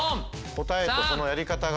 答えとそのやり方が。